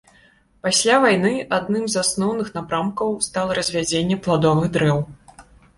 Пасля вайны адным з асноўных напрамкаў стала развядзенне пладовых дрэў.